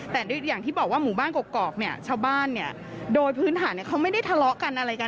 แต่อย่างที่บอกว่าหมู่บ้านกรอกเนี่ยชาวบ้านเนี่ยโดยพื้นฐานเขาไม่ได้ทะเลาะกันอะไรกัน